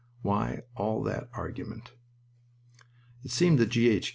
Why all that argument? It seemed that G. H.